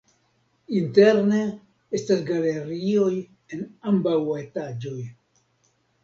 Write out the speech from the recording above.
Interne estas galerioj en ambaŭ etaĝoj.